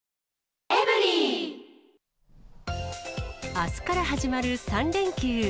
あすから始まる３連休。